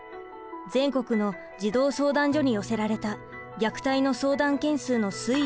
全国の児童相談所に寄せられた虐待の相談件数の推移です。